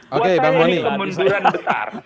waktu ini kemunduran besar